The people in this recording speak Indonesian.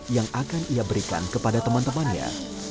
yang akan ia berikan kepada teman temannya